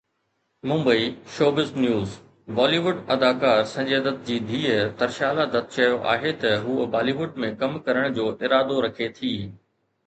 Mumbai (showbiz news) Bollywood اداڪار سنجي دت جي ڌيءَ ترشالا دت چيو آهي ته هوءَ بالي ووڊ ۾ ڪم ڪرڻ جو ارادو رکي ٿي.